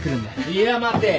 いや待て。